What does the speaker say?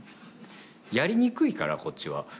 やりにくいからこっちは。